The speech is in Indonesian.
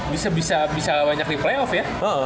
bisa bisa banyak di playoff ya